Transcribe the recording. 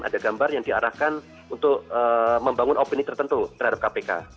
ada gambar yang diarahkan untuk membangun opini tertentu terhadap kpk